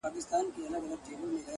ژوند ټوله پند دی.